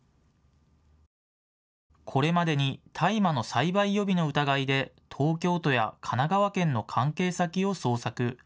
これまでに大麻の栽培予備の疑いで東京都や神奈川県の関係先を捜索。